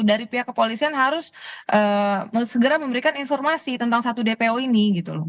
dari pihak kepolisian harus segera memberikan informasi tentang satu dpo ini gitu loh